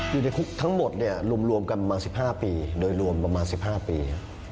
อยู่ในคุกทั้งหมดรวมรวมกันประมาณ๑๕ปี